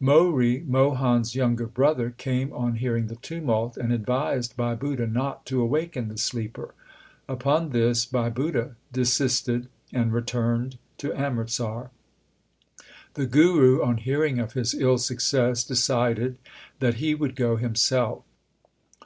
Mohri, Mohan s younger brother, came on hearing the tumult, and advised Bhai Budha not to awaken the sleeper. Upon this Bhai Budha desisted and returned to Amritsar. The Guru, on hearing of his ill success, decided that he would go himself.